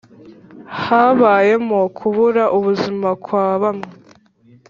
habayemo kubura ubuzima kwa bamwe,